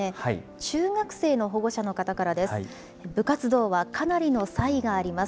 中学生の保護者の方からです。